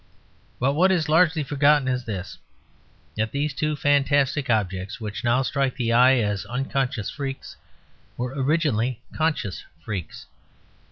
But what is largely forgotten is this, that these two fantastic objects, which now strike the eye as unconscious freaks, were originally conscious freaks.